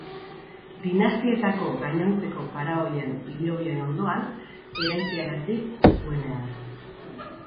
Dinastietako gainontzeko faraoien hilobien ondoan eraikiarazi zuenean.